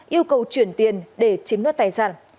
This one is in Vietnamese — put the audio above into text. yêu cầu chuyển tiền để chiếm đoạt tài sản